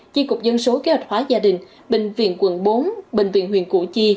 chi cục dân số kế hoạch hóa gia đình bệnh viện quận bốn bệnh viện huyền cụ chi